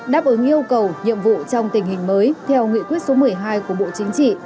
đáp ứng yêu cầu nhiệm vụ trong tình hình mới theo nghị quyết số một mươi hai của bộ chính trị